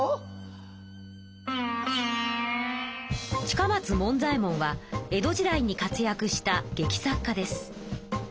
近松門左衛門は江戸時代に活やくした劇作家です。